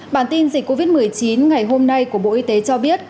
bản tin dịch covid một mươi chín ngày hôm nay của bộ y tế cho biết